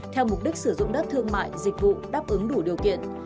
theo mục đích sử dụng đất thương mại dịch vụ đáp ứng đủ điều kiện